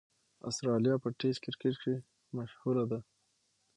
اسټرالیا په ټېسټ کرکټ کښي مشهوره ده.